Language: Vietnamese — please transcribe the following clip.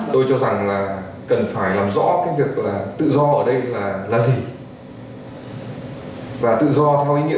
tôi cho rằng cái đánh giá đó là không có căn cứ